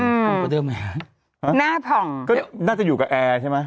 อืมผ่องกว่าเดิมไหมฮะหน้าผ่องก็น่าจะอยู่กับแอร์ใช่ไหม